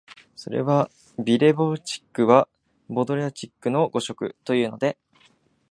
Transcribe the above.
それは「ペレヴォッチクはポドリャッチクの誤植」というので、